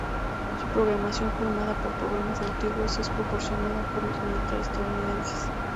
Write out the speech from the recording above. Su programación, formada por programas antiguos, está proporcionada por los militares estadounidenses.